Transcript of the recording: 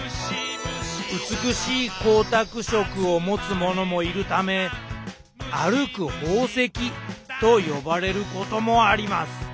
美しい光沢色を持つものもいるため「歩く宝石」と呼ばれることもあります。